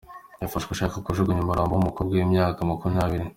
Yafashwe ashaka kujugunya umurambo w’umukobwa w’imyaka makumyabiri